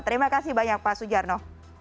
terima kasih banyak pak sujarno